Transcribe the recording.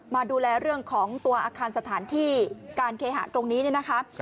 มาดูแลเรื่องของตัวอาคารสถานที่การเคหะตรงนี้เนี่ยนะคะ